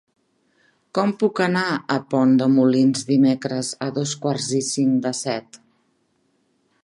Com puc anar a Pont de Molins dimecres a dos quarts i cinc de set?